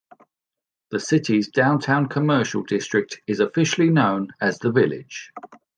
The city's downtown commercial district is officially known as "The Village".